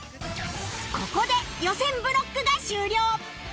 ここで予選ブロックが終了